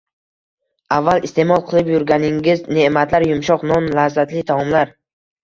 avval iste’mol qilib yurganingiz ne’matlar – yumshoq non, lazzatli taomlar